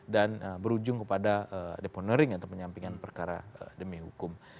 dan berujung kepada deponering atau penyampingan perkara demi hukum